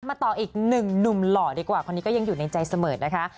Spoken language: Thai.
ต่ออีกหนึ่งหนุ่มหล่อดีกว่าคนนี้ก็ยังอยู่ในใจเสมอนะคะ